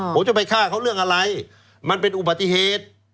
ผมจะไปฆ่าเขาเรื่องอะไรมันเป็นอุบัติเหตุ